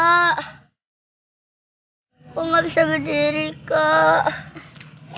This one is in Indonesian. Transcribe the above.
aku gak bisa berdiri kak